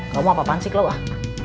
kamu apa apaan sih clau ah